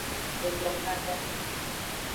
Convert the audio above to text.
Edron bada.